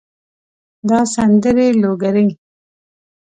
دا سندرې لوګري